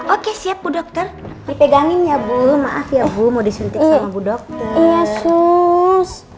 oke siap bu dokter dipegangin ya bu maaf ya bu mau disuntik sama bu dokter yesus